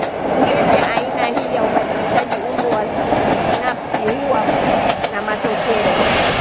kulevya Aina hii ya ubadilishaji umbo wa sinapti huwa na matokeo